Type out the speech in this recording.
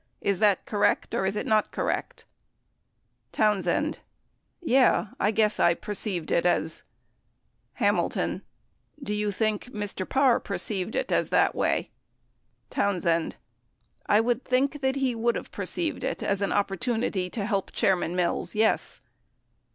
Is that correct, or is it not correct ? Townsend. Yeah, I guess I perceived it as Hamilton. Do you think Mr. Parr perceived it as that way? Townsend. ... I would think that he would have per ceived it as an opportunity to help Chairman Mills ; yes.